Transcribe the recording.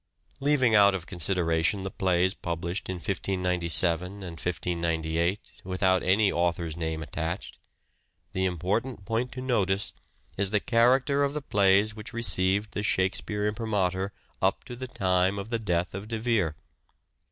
Leaving out of consideration the plays published in 1597 and 1598 without any author's name attached, the important point to notice is the character of the plays which received the Shakespeare imprimatur up to the time of the death of De Vere.